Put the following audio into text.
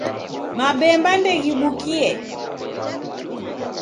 Mabemba ndeghibukie.